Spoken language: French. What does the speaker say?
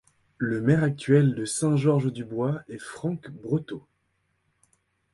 Le maire actuel de Saint-Georges-du-Bois est Franck Breteau.